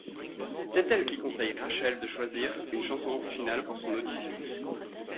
C'est elle qui conseille Rachel de choisir une chanson originale pour son audition.